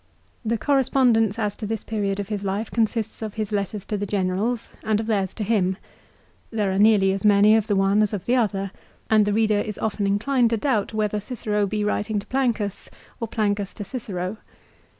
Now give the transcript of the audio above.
The correspondence as to this period of his life consists of his letters to the generals' and of theirs to him. There are nearly as many of the one as of the other, and the reader is often inclined to doubt whether Cicero be writing to Plancus or Plancus to Cicero.